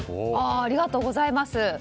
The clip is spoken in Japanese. ありがとうございます。